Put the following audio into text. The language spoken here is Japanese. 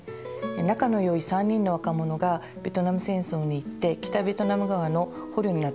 仲のよい３人の若者がベトナム戦争に行って北ベトナム側の捕虜になってしまう。